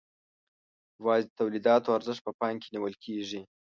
یوازې د تولیداتو ارزښت په پام کې نیول کیږي.